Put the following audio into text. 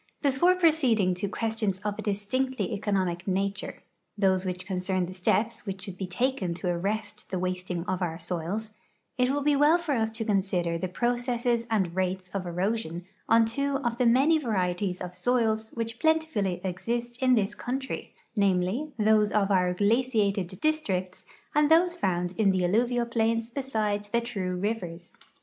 Before proceeding to questions of a distinctly economic nature — those which concern the steps which should be taken to arrest the wasting of our soils — it will be well for us to consider the pro cesses and rates of erosion on two of the many varieties of soils which plentifully exist in this country, namely, those of our glaciated districts and those found in the alluvial plains beside the true rivers.